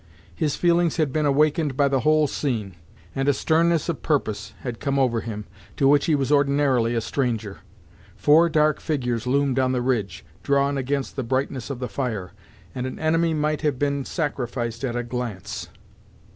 His feelings had been awakened by the whole scene, and a sternness of purpose had come over him, to which he was ordinarily a stranger. Four dark figures loomed on the ridge, drawn against the brightness of the fire, and an enemy might have been sacrificed at a glance.